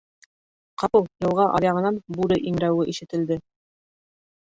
Ҡапыл йылға аръяғынан бүре иңрәүе ишетелде.